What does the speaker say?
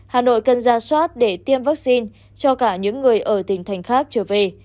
hà nội cần ra soát để tiêm vaccine cho cả những người ở tỉnh thành khác trở về